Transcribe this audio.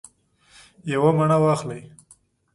یوه مڼه واخلئ